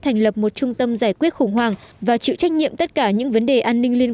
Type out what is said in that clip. thành lập một trung tâm giải quyết khủng hoảng và chịu trách nhiệm tất cả những vấn đề an ninh liên